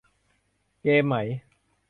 เกมไหม